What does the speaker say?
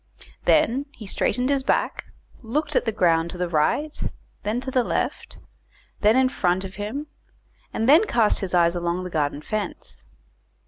Then he straightened his back, looked at the ground to the right, then to the left, then in front of him, and then cast his eyes along the garden fence.